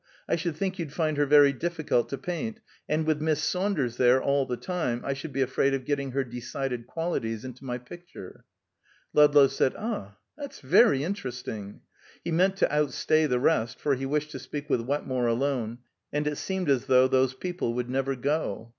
I should think you'd find her very difficult to paint, and with Miss Saunders there, all the time, I should be afraid of getting her decided qualities into my picture." Ludlow said, "Ah, that's very interesting." He meant to outstay the rest, for he wished to speak with Wetmore alone, and it seemed as though those people would never go.